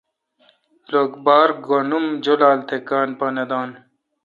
لوک بار گھن ام جولال تہ کان پا نہ دان۔